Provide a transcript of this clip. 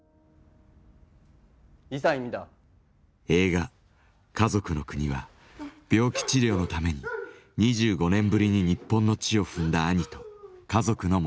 映画「かぞくのくに」は病気治療のために２５年ぶりに日本の地を踏んだ兄と家族の物語。